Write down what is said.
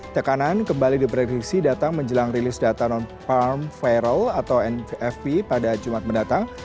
tekanan kembali diprediksi datang menjelang rilis data non parm viral atau nvfp pada jumat mendatang